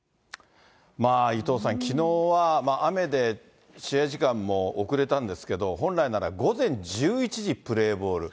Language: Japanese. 伊藤さん、きのうは雨で試合時間も遅れたんですけど、本来なら午前１１時プレーボール。